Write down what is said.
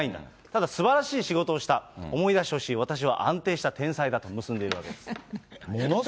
ただ、すばらしい仕事をした、思い出してほしい、私は安定した天才だと結んでいるわけなんです。